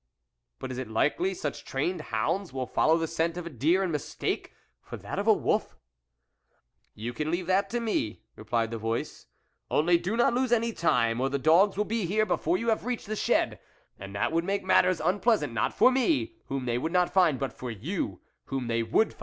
" But is it likely such trained hounds will follow the scent of a deer in mistake for that of a wolf ?"" You can leave that to me," replied the voice, " only do not lose any time, or the dogs will be here before you have reached the shed, and that would make matters unpleasant, not for me, whom they would not find, but for you, whom they would."